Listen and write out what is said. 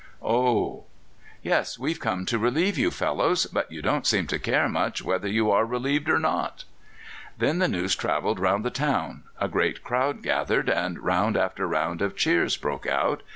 "Oh!" "Yes, we've come to relieve you fellows; but you don't seem to care much whether you are relieved or not." Then the news travelled round the town; a great crowd gathered, and round after round of cheers broke out.